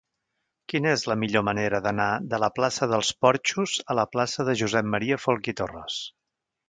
Quina és la millor manera d'anar de la plaça dels Porxos a la plaça de Josep M. Folch i Torres?